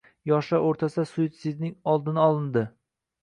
Yoshlar oʻrtasida suitsidning oldini olindi.